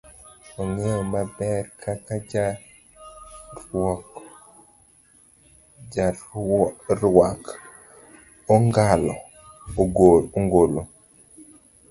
Ong'eye maber kaka jaruak angolo.